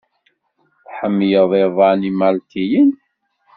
Tḥemmleḍ iḍan imalṭiyen?